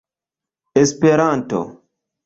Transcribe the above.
esperanto